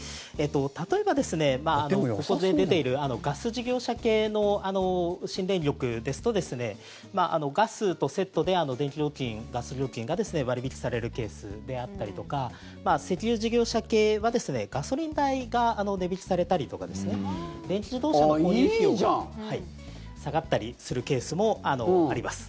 例えば、ここで出ているガス事業者系の新電力ですとガスとセットで電気料金、ガス料金が割引されるケースであったりとか石油事業者系はガソリン代が値引きされたりとか電気自動車のこういう費用も下がったりするケースもあります。